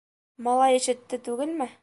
Малай ишетте түгелме?